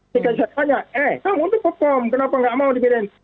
dikeser tanya eh kamu tuh perform kenapa nggak mau dipindahin